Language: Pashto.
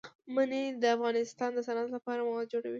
منی د افغانستان د صنعت لپاره مواد برابروي.